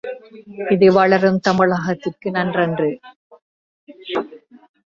இது வளரும் தமிழகத்திற்கு நன்றன்று.